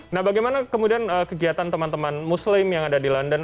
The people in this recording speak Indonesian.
nah bagaimana kemudian kegiatan teman teman muslim yang ada di london